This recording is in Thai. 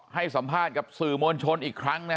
ให้สัมภาษณ์กับสื่อมวลชนอีกครั้งนะ